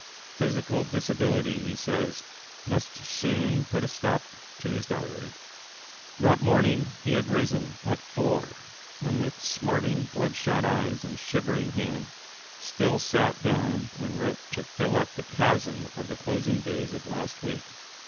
Physical disability, he says, must soon put a stop to his Diary. That morning he had risen "at four, and with smarting, bloodshot eyes and shivering hand, still sat down and wrote to fill up the chasm of the closing days of last week."